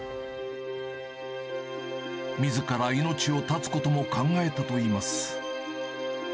みずから命を絶つことも考えたといいます。